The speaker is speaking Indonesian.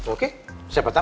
oke siapa tau